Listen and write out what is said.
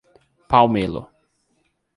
Palmelo